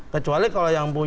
kecuali kalau yang punya